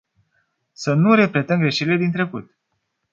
Să nu repetăm greșelile din trecut!